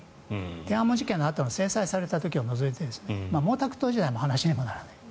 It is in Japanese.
天安門事件の制裁された時を除いて毛沢東時代の話にもならない。